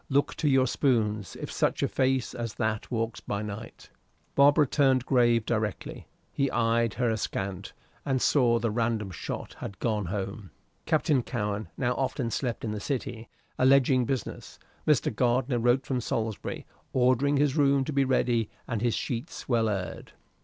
Look to your spoons, if such a face as that walks by night." Barbara turned grave directly; he eyed her askant, and saw the random shot had gone home. Captain Cowen now often slept in the City, alleging business. Mr. Gardiner wrote from Salisbury, ordering his room to be ready and his sheets well aired.